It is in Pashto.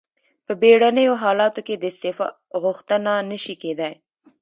په بیړنیو حالاتو کې د استعفا غوښتنه نشي کیدای.